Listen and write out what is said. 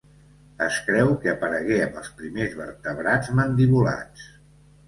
Es creu que aparegué amb els primers vertebrats mandibulats.